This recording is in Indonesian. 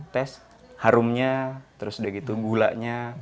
tes harumnya terus udah gitu gulanya